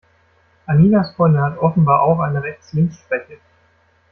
Anninas Freundin hat offenbar auch eine Rechts-links-Schwäche.